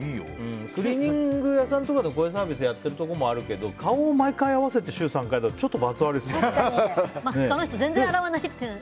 クリーニング屋さんとかでこういうサービスやってるところもあるけど顔を毎回合わせて週３回だと他の人、全然洗わないっていう。